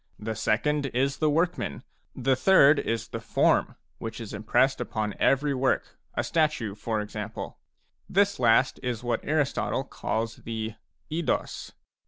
The second is the workman. The third is the form, which is impressed upon every work, — a statue, for example." This last is what Aristotle calls the jdos.